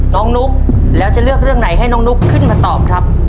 นุ๊กแล้วจะเลือกเรื่องไหนให้น้องนุ๊กขึ้นมาตอบครับ